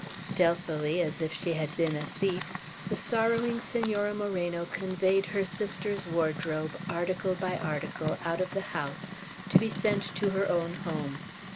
Stealthily, as if she had been a thief, the sorrowing Senora Moreno conveyed her sister's wardrobe, article by article, out of the house, to be sent to her own home.